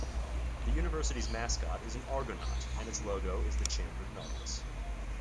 The university's mascot is an Argonaut and its logo is the Chambered Nautilus.